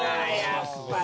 やっぱり。